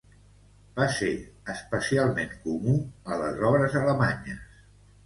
Va ser especialment comú a les obres alemanyes.